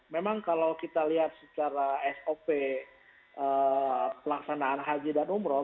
memang kalau kita lihat secara sop pelaksanaan haji dan umroh